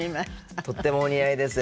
とってもお似合いです。